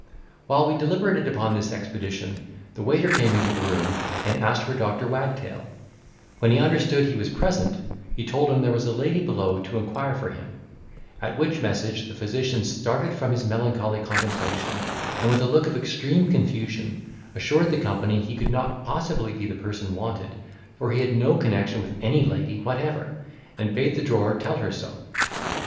While we deliberated upon this expedition, the waiter came into the room, and asked for Doctor Wagtail: when he understood he was present, he told him there was a lady below to inquire for him, at which message the physician started from his melancholy contemplation, and, with a look of extreme confusion, assured the company he could not possibly be the person wanted, for he had no connection with any lady whatever, and bade the drawer tell her so.